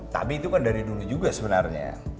tapi itu kan dari dulu juga sebenarnya